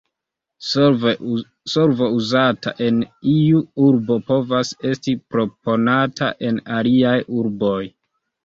Solvo uzata en iu urbo povas esti proponata en aliaj urboj.